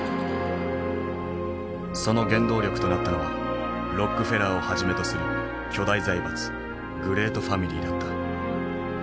その原動力となったのはロックフェラーをはじめとする巨大財閥グレートファミリーだった。